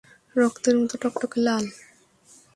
রক্তের মত টকটকে লাল।